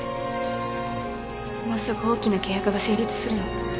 もうすぐ大きな契約が成立するの。